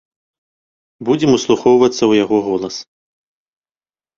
Будзем услухоўвацца ў яго голас.